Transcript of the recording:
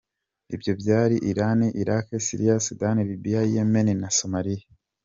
Ibyo byari; Iran, Iraq, Syria, Sudani, Libya, Yemen na Somalia.